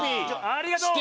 ありがとう！